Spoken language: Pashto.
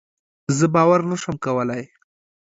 زه باور نشم کولی.